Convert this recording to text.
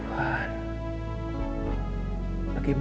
bagaimana jalan keluarnya